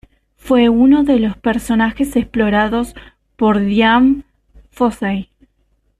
Fue uno de los parajes explorados por Dian Fossey.